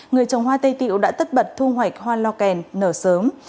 người trồng hoa tây tiệu đã tất bật thu hoạch hoa lo kèn nở sớm